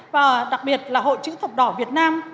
và đặc biệt là hội chữ thập đỏ việt nam